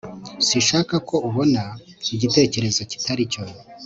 sinshaka ko ubona igitekerezo kitari cyo